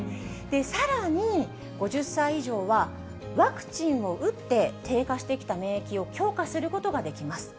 さらに、５０歳以上は、ワクチンを打って、低下してきた免疫を強化することができます。